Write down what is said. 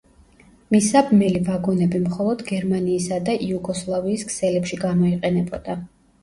მისაბმელი ვაგონები მხოლოდ გერმანიისა და იუგოსლავიის ქსელებში გამოიყენებოდა.